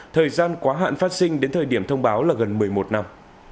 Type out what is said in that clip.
thời gian quá hạn phát sinh đến thời điểm thông báo là gần một mươi một năm